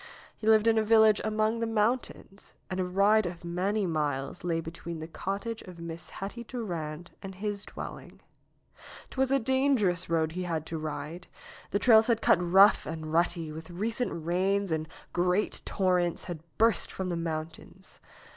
He lived in a village among the mountains, and a ride of many miles lay between the cottage of Miss Hetty Durand and his dwelling. 'Twas a dangerous road he had to ride. The trails had cut rough and rutty with recent rains and great torrents had burst from the mountains.